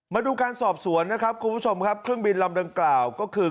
มาดูการสอบสวนนะครับคุณผู้ชมครับเครื่องบินลำดังกล่าวก็คือ